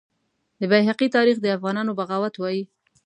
د بیهقي تاریخ د افغانانو بغاوت وایي.